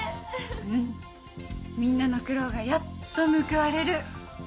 うんみんなの苦労がやっと報われる。